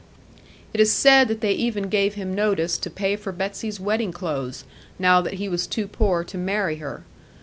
It is said that they even gave him notice to pay for Betsy's wedding clothes, now that he was too poor to marry her.